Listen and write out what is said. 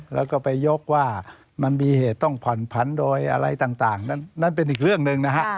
แล้วก็ไปยกว่ามันมีเหตุต้องผ่อนผันโดยอะไรต่างนั้นเป็นอีกเรื่องหนึ่งนะฮะ